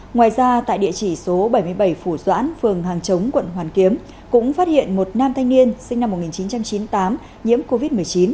ngoài ra tại địa chỉ số bảy mươi bảy phủ doãn phường hàng chống quận hoàn kiếm cũng phát hiện một nam thanh niên sinh năm một nghìn chín trăm chín mươi tám nhiễm covid một mươi chín